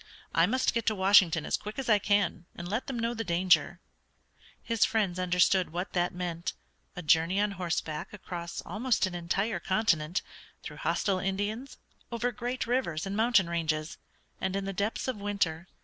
"I must get to Washington as quick as I can, and let them know the danger." His friends understood what that meant, a journey on horseback across almost an entire continent, through hostile Indians, over great rivers and mountain ranges, and in the depths of winter.